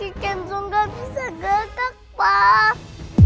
kenapa kaki kenzo gak bisa gerak pak